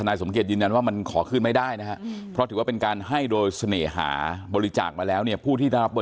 ไม่มีไม่มีครับควรบริจาคไม่เคยเลยครับ